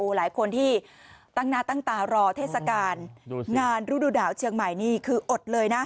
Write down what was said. หลายคนที่ตั้งหน้าตั้งตารอเทศกาลงานฤดูหนาวเชียงใหม่นี่คืออดเลยนะ